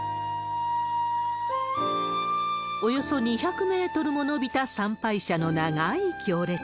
およそ２００メートルも延びた参拝者の長ーい行列。